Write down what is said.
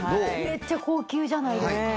めっちゃ高級じゃないですか。